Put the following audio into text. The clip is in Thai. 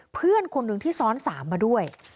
เพื่อนคนหนึ่งที่ซ้อน๓มาด้วย